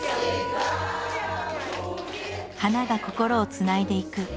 「花が心をつないでいく」。